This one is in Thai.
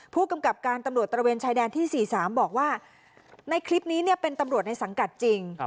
ผู้กำกับการตำรวจตระเวนชายแดนที่๔๓บอกว่าในคลิปนี้เป็นตำรวจในสังกัดจริง